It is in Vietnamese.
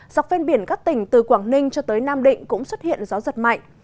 dọc ven biển các tỉnh từ quảng ninh cho tới nam định cũng xuất hiện gió giật mạnh